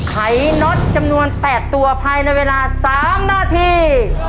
ขน็อตจำนวน๘ตัวภายในเวลา๓นาที